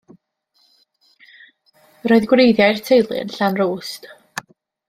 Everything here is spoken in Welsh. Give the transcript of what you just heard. Roedd gwreiddiau'r teulu yn Llanrwst.